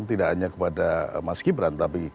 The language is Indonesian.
tidak hanya kepada mas gibran tapi